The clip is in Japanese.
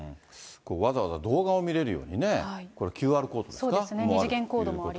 わざわざ動画も見れるようにね、これＱＲコードですか。